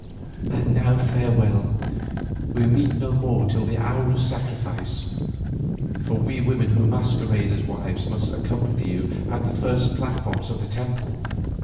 "And now farewell. We meet no more till the hour of sacrifice, for we women who masquerade as wives must accompany you to the first platforms of the temple.